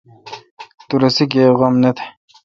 تو رسے گیب غم نہ تھ۔